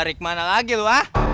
mau kemana lagi lu